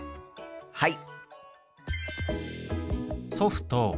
はい！